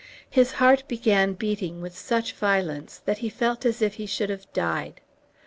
His heart began beating with such violence that he felt as if he should have died.